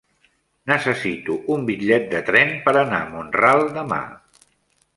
Necessito un bitllet de tren per anar a Mont-ral demà.